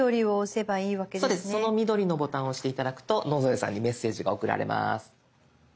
その緑のボタンを押して頂くと野添さんにメッセージが送られます。